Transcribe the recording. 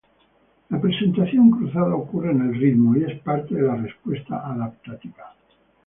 La presentación cruzada ocurre en el timo y es parte de la respuesta adaptativa.